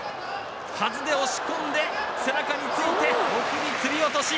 はずで押し込んで背中について送り吊り落とし！